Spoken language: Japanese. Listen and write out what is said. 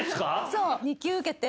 そう２級受けて。